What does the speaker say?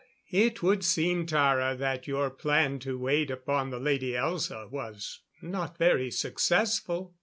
It would seem, Tara, that your plan to wait upon the Lady Elza was not very successful."